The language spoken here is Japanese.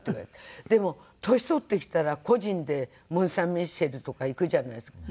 でも年取ってきたら個人でモン・サン・ミッシェルとか行くじゃないですか。